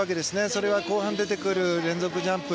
それは、後半出てくる連続ジャンプ。